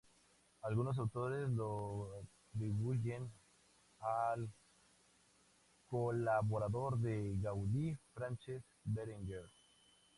Algunos autores lo atribuyen al colaborador de Gaudí, Francesc Berenguer.